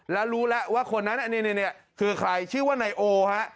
แล้วรู้แล้วว่าคนนั้นอันนี้คือใครชื่อว่านายโอฮะ